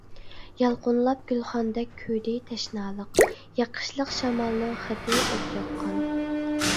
يالقۇنلاپ گۈلخاندەك كۆيدى تەشنالىق، يېقىشلىق شامالنىڭ خېتى ئوت ياققان.